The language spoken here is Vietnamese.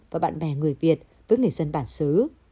và bạn bè người việt với người dân bản xứ